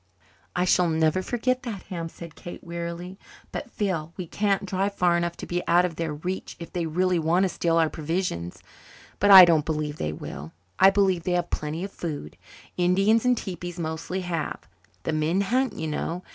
"I shall never forget that ham," said Kate wearily, "but, Phil, we can't drive far enough to be out of their reach if they really want to steal our provisions. But I don't believe they will. I believe they have plenty of food Indians in tepees mostly have. The men hunt, you know.